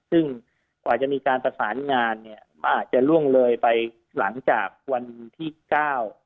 ซึ่งกว่าจะมีการประสานงานเนี่ยมันอาจจะล่วงเลยไปหลังจากวันที่เก้า